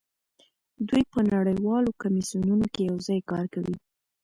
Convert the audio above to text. دوی په نړیوالو کمیسیونونو کې یوځای کار کوي